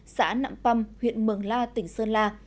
xã nạm păm huyện mường la tỉnh sơn la